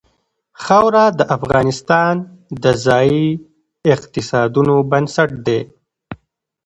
خاوره د افغانستان د ځایي اقتصادونو بنسټ دی.